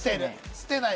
捨てない？